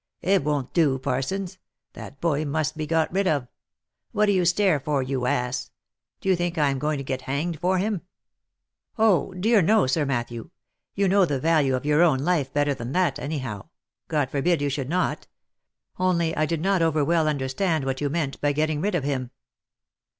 "It won't do, Parsons. That boy must be got rid of. — What do you stare for, you ass ? Do you think I am going to get hanged for him ?"" Oh ! dear no, Sir Matthew — you know the value of your own life better than that, any how, — God forbid you should not. Only I did not overwell understand what you meant by getting rid of him."